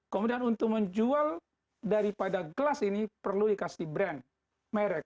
kemudian untuk menjual daripada gelas ini perlu dikasih brand merek